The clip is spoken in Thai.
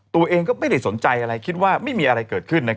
ตัวเองก็ไม่ได้สนใจอะไรคิดว่าไม่มีอะไรเกิดขึ้น